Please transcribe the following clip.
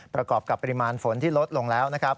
ประกอบกับปริมาณฝนที่ลดลงแล้วนะครับ